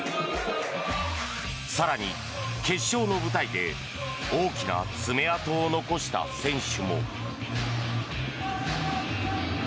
更に、決勝の舞台で大きな爪痕を残した選手も。